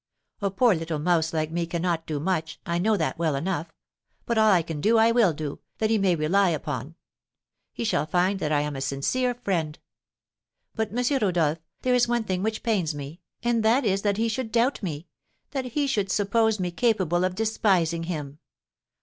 A poor little mouse like me cannot do much, I know that well enough; but all I can do I will do, that he may rely upon. He shall find that I am a sincere friend. But, M. Rodolph, there is one thing which pains me, and that is that he should doubt me, that he should suppose me capable of despising him!